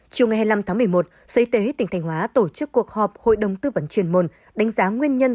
chiều ngày hai mươi năm tháng một mươi một sở y tế tỉnh thành hóa tổ chức cuộc họp hội đồng tư vấn truyền môn đánh giá nguyên nhân